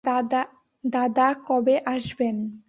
দাদা কবে আসবেন?